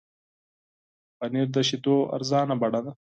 پنېر د شیدو ارزانه بڼه ده.